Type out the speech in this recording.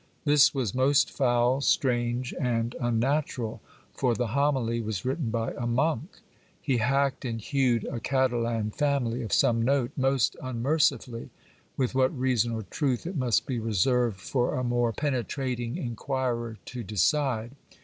This was most foul, strange, and unnatural ! for the homily was written by a monk. He hacked and hewed a Catalan family of some note most unmercifully ; with what reason or truth, it must be reserved for a more penetrating inquirer to decide.